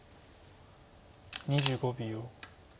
２５秒。